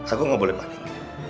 aku gak boleh panik